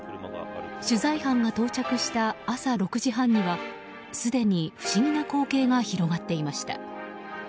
取材班が到着した朝６時半にはすでに不思議な光景が広がっていました。